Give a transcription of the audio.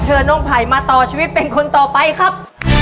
เชิญน้องไผ่มาต่อชีวิตเป็นคนต่อไปครับ